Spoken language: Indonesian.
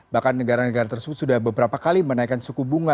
bahkan negara negara tersebut sudah beberapa kali menaikkan suku bunga